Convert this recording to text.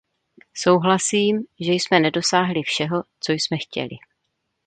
Souhlasím, že jsme nedosáhli všeho, co jsme chtěli.